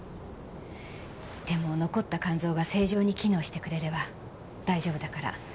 でも残った肝臓が正常に機能してくれれば大丈夫だから。